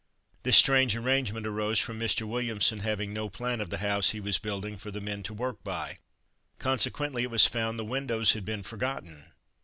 This strange arrangement arose from Mr. Williamson having no plan of the house he was building for the men to work by, consequently it was found the windows had been forgotten.